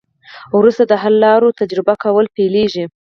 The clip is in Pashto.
وروسته د حل لارو تجربه کول پیلیږي.